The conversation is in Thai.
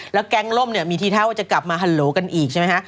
แล้วแก๊งล่มเนี่ยมีทีท่าว่าจะกลับมาฮัลโหลกันอีกใช่ไหมฮะ